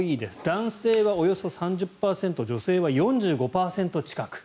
男性はおよそ３０％女性は４５％近く。